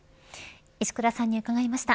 石倉さんに伺いました。